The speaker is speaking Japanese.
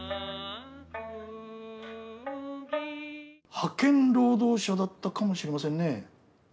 派遣労働者だったかもしれませんね。